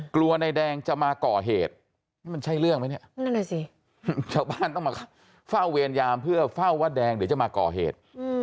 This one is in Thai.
กลัวในแดงจะมาเกาะเหตุ